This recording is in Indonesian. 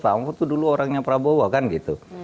pak mahfud itu dulu orangnya prabowo kan gitu